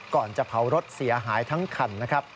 ก่อนจะเผารถเสียหายทั้งคัน